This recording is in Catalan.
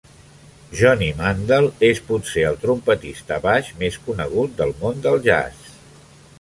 Johnny Mandel és potser el trompetista baix més conegut del món del jazz.